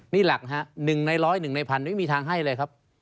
นี่หลักฮะ๑ใน๑๐๑ใน๑๐๐ไม่มีทางให้เลยครับ